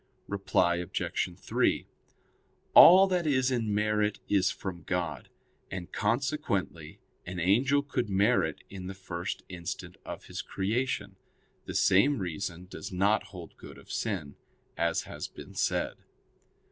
Reply Obj. 3: All that is in merit is from God; and consequently an angel could merit in the first instant of his creation. The same reason does not hold good of sin; as has been said.